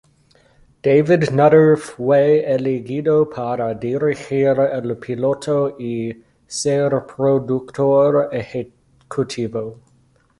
David Nutter fue elegido para dirigir el piloto y ser productor ejecutivo.